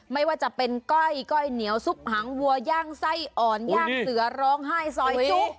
ไม่ว่าจะเป็นก้อยก้อยเหนียวซุปหางวัวย่างไส้อ่อนย่างเสือร้องไห้ซอยจุ